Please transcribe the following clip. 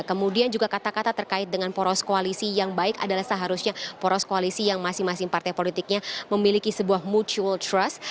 kemudian juga kata kata terkait dengan poros koalisi yang baik adalah seharusnya poros koalisi yang masing masing partai politiknya memiliki sebuah mutual trust